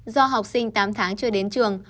do học sinh tám tháng chưa đến trường